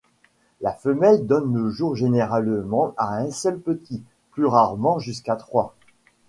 La femelle donne le jour généralement à un seul petit, plus rarement jusqu'à trois.